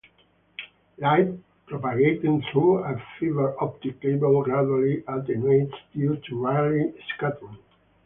Light propagating through a fiber optic cable gradually attenuates due to Rayleigh scattering.